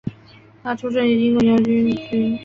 他出生于英国牛津郡。